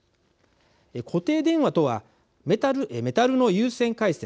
固定電話とはメタルの有線回線